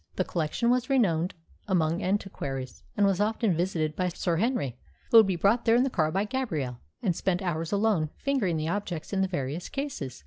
The collection was renowned among antiquaries, and was often visited by Sir Henry, who would be brought there in the car by Gabrielle, and spend hours alone fingering the objects in the various cases.